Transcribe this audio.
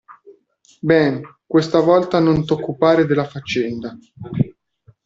Ben, questa volta non t'occupare della faccenda!